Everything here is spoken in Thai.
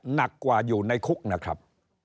หนักกว่าอยู่ในคุกนะครับ